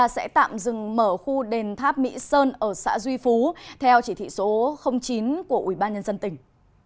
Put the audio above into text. sẽ tạm dừng mở khu đền tháp mỹ sơn ở xã duy phú theo chỉ thị số chín của ubnd tỉnh